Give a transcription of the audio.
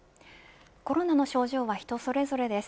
コロナの症状は人それぞれです。